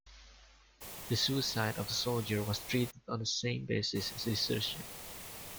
The suicide of a soldier was treated on the same basis as desertion.